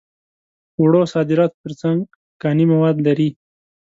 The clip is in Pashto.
وړو صادراتو تر څنګ کاني مواد لري.